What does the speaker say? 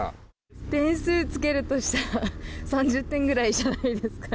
点数つけるとしたら、３０点ぐらいじゃないですかね。